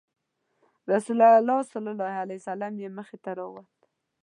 رسول الله صلی الله علیه وسلم یې مخې ته راووت.